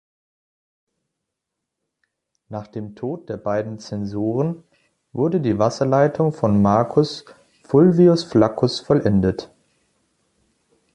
Nach dem Tod der beiden Censoren wurde die Wasserleitung von Marcus Fulvius Flaccus vollendet.